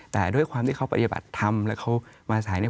แต่ด้วยความที่เขาปฏิบัติธรรมแล้วเขามาสายเนี่ย